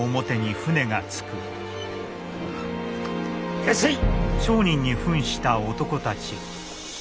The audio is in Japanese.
いらっしゃい。